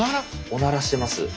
おならしてます。